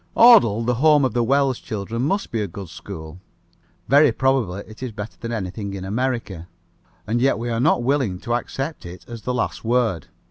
Audle, the home of the Wells children, must be a good school. Very probably it is better than anything in America. And yet we are not willing to accept it as the last word.